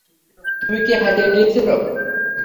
তুমি কি হারিয়ে গিয়েছিল?